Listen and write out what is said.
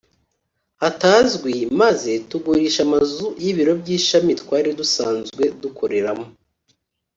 hatazwi maze tugurisha amazu y ibiro by ishami twari dusanzwe dukoreramo